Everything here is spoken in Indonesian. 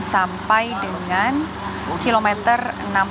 sampai dengan kilometer enam puluh enam ruas jalan